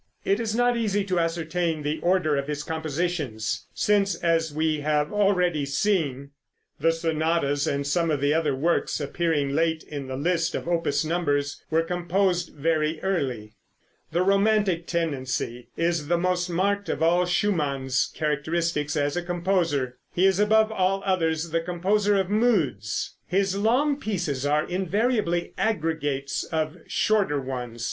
It is not easy to ascertain the order of his compositions, since, as we have already seen, the sonatas and some of the other works appearing late in the list of opus numbers were composed very early. The romantic tendency is the most marked of all of Schumann's characteristics as a composer. He is above all others the composer of moods. His long pieces are invariably aggregates of shorter ones.